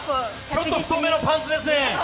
ちょっと太めのパンツですね。